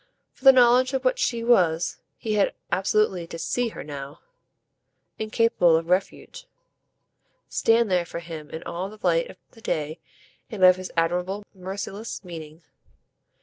For the knowledge of what she was he had absolutely to SEE her now, incapable of refuge, stand there for him in all the light of the day and of his admirable merciless meaning.